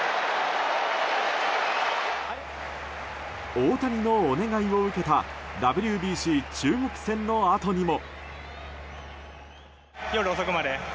大谷のお願いを受けたＷＢＣ中国戦のあとにも。